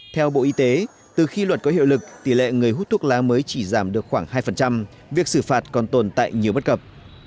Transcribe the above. theo bộ y tế từ khi luật có hiệu lực tỷ lệ người hút thuốc lá mới chỉ giảm được khoảng hai việc xử phạt còn tồn tại nhiều bất cập